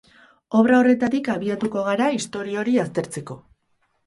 Obra horretatik abituko gara istorio hori aztertzeko.